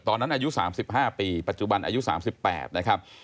อายุ๓๕ปีปัจจุบันอายุ๓๘นะครับ